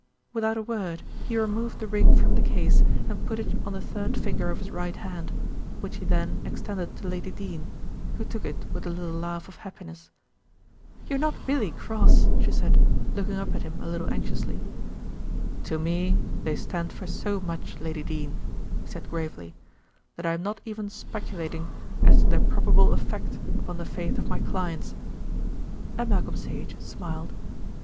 Without a word he removed the ring from the case and put it on the third finger of his right hand, which he then extended to Lady Dene, who took it with a little laugh of happiness. "You're not really cross," she said, looking up at him a little anxiously. "To me they stand for so much, Lady Dene," he said gravely, "that I am not even speculating as to their probable effect upon the faith of my clients." And Malcolm Sage smiled.